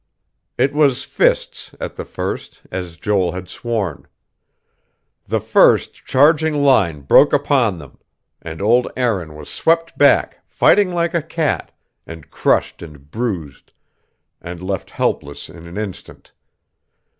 It was fists, at the first, as Joel had sworn. The first, charging line broke upon them; and old Aaron was swept back, fighting like a cat, and crushed and bruised and left helpless in an instant.